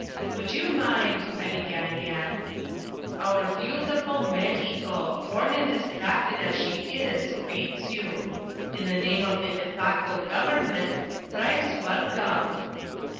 "Would you mind ?" I began again. "Our beautiful Mexico, torn and distracted as she is, greets you. In the name of the de facto government, thrice welcome.